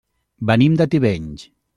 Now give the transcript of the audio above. Venim de Tivenys.